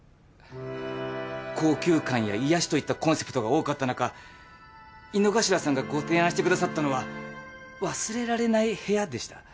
高級感や癒やしといったコンセプトが多かったなか井之頭さんがご提案してくださったのは「忘れられない部屋」でした。